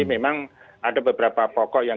memang ada beberapa pokok yang